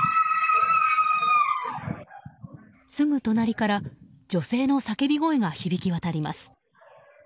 すぐ隣から女性の叫び声が響き渡ります。